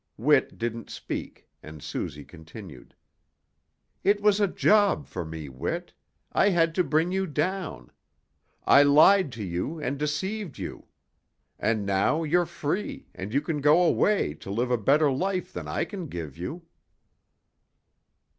Whit didn't speak, and Suzy continued. "It was a job for me, Whit. I had to bring you down. I lied to you and I deceived you, and now you're free, and you can go away, to live a better life than I can give you."